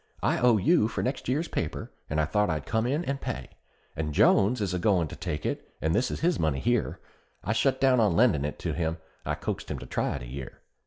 I owe you for next year's paper; I thought I'd come in and pay. And Jones is agoin' to take it, and this is his money here; I shut down on lendin' it to him, and coaxed him to try it a year.